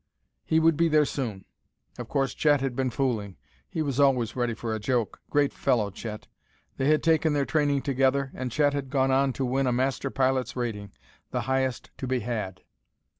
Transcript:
He would be there soon.... Of course Chet had been fooling; he was always ready for a joke.... Great fellow, Chet! They had taken their training together, and Chet had gone on to win a master pilot's rating, the highest to be had....